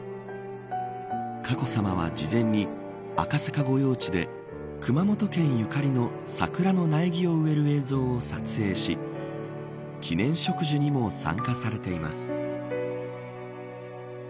佳子さまは事前に、赤坂御用地で熊本県ゆかりの桜の苗木を植える映像を撮影し記念植樹にも参加されています。